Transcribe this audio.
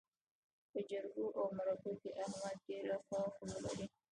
په جرګو او مرکو کې احمد ډېره ښه خوله لري.